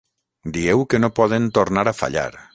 Dieu que no poden tornar a fallar.